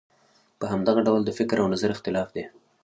په همدغه ډول د فکر او نظر اختلاف دی.